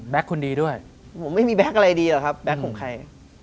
แบ็กคุณดีด้วยมั่งไม่มีแบ็กอะไรดีหรอกครับแบ็กของใคร